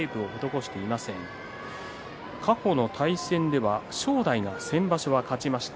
過去の対戦では正代が先場所勝ちました。